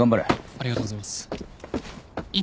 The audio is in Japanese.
ありがとうございます。